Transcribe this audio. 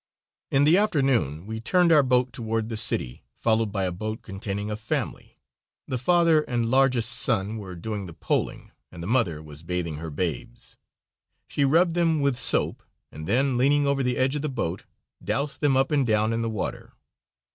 In the afternoon we turned our boat toward the city, followed by a boat containing a family. The father and largest son were doing the poling, and the mother was bathing her babes. She rubbed them with soap, and then, leaning over the edge of the boat, doused them up and down in the water.